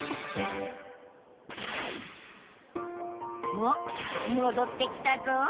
おっもどってきたぞ！